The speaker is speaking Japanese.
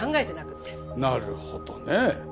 なるほどね。